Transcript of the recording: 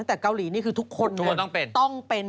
ตั้งแต่เกาหลีทุกคนเนี่ยต้องเป็น